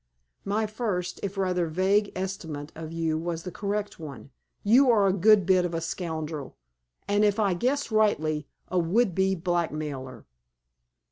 "My first, if rather vague, estimate of you was the correct one. You are a good bit of a scoundrel, and, if I guess rightly, a would be blackmailer."